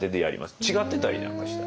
違ってたりなんかしたり。